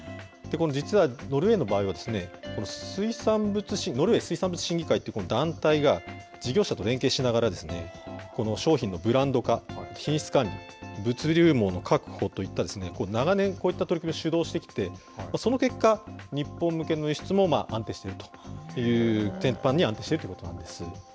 実はノルウェーの場合は、水産物、ノルウェー水産物審議会という団体が、事業者と連携しながら、商品のブランド化、品質管理、物流網の確保といった長年、こういった取り組みを主導してきて、その結果、日本向けの輸出も安定しているという、全般に安定しているということなんです。